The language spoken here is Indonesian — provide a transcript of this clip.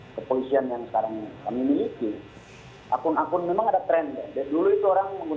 kepolisian yang sekarang